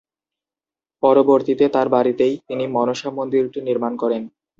পরবর্তিতে তার বাড়িতেই তিনি মনসা মন্দিরটি নির্মাণ করেন।